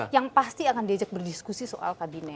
yang pasti akan diajak berdiskusi soal kabinet